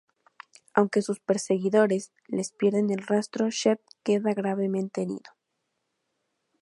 Aunque sus perseguidores les pierden el rastro, Shep queda gravemente herido.